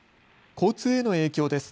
交通への影響です。